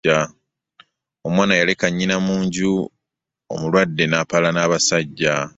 Omwana yaleka nnyina mu nju omulwadde n'apaala n'abasajja.